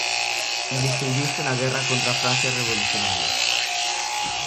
Distinguiuse na guerra contra a Francia revolucionaria.